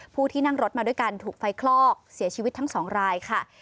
ที่นั่งรถมาด้วยกันถูกไฟคลอกเสียชีวิตทั้งสองรายค่ะ